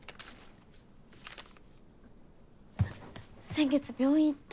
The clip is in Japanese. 先月病院行った？